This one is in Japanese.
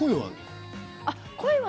声は？